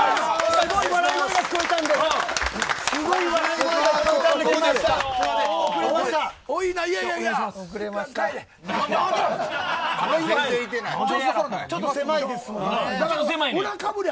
すごい笑い声が聞こえたんで多いな、帰れ。